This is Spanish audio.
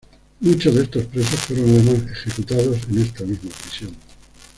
Muchos de estos presos fueron además ejecutados en esta misma prisión.